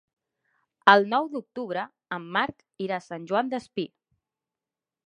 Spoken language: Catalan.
El nou d'octubre en Marc irà a Sant Joan Despí.